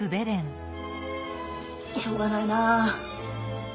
しょうがないな。